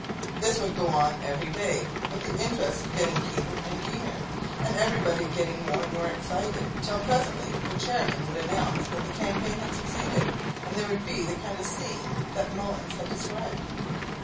This would go on every day with the interest getting keener and keener, and everybody getting more and more excited, till presently the chairman would announce that the campaign had succeeded and there would be the kind of scene that Mullins had described.